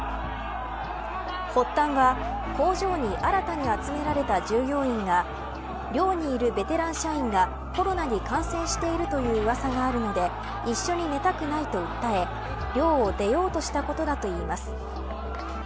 発端は、工場に新たに集められた従業員が寮にいるベテラン社員がコロナに感染しているといううわさがあるので一緒に寝たくないと訴え寮を出ようとしたことだといいます。